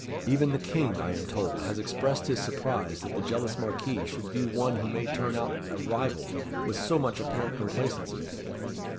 Even the King, I am told, has expressed his surprise that the jealous Marquis should view one who may turn out a rival with so much apparent complacency."